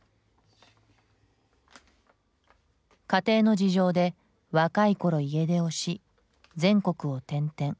家庭の事情で若いころ家出をし全国を転々。